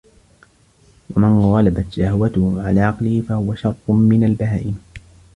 وَمَنْ غَلَبَتْ شَهْوَتُهُ عَلَى عَقْلِهِ فَهُوَ شَرٌّ مِنْ الْبَهَائِمِ